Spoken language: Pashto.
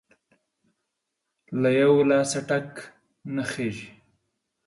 له يوه لاسه ټک نه خيږى.